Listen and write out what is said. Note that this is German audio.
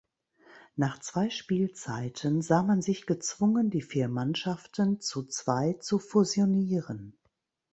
Nach zwei Spielzeiten sah man sich gezwungen, die vier Mannschaften zu zwei zu fusionieren.